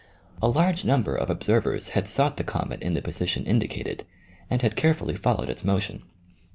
A large number of ob servers had sought the comet in the position indicated, and had carefully followed its motion.